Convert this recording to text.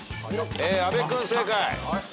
阿部君正解。